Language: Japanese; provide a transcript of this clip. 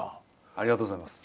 ありがとうございます。